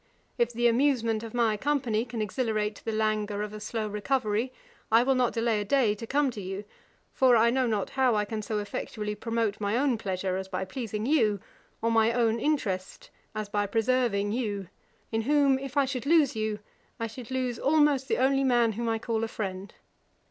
If the amusement of my company can exhilarate the languor of a slow recovery, I will not delay a day to come to you; for I know not how I can so effectually promote my own pleasure as by pleasing you, or my own interest as by preserving you, in whom, if I should lose you, I should lose almost the only man whom I call a friend.